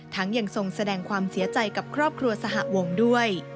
ยังทรงแสดงความเสียใจกับครอบครัวสหวงด้วย